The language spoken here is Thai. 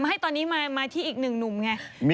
ให้ตอนนี้มาที่อีกหนึ่งหนุ่มไง